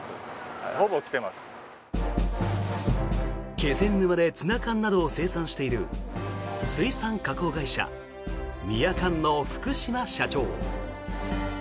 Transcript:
気仙沼でツナ缶などを生産している水産加工会社ミヤカンの福島社長。